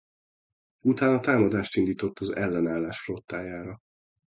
Utána támadást indított az Ellenállás flottájára.